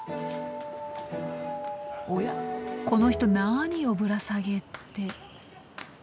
おやこの人何をぶら下げて。